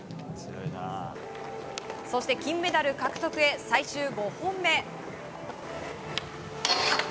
そして、金メダル獲得へ最終５本目。